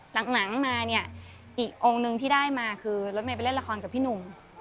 หลังมาเนี่ยอีกองค์นึงที่ได้มาคือรถเมย์ไปเล่นละครกับพี่หนุ่ม